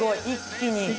一気に。